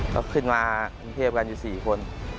ก็ขึ้นมากรุงเทพกันอยู่๔คน